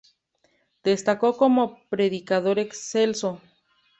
Destacó como predicador excelso.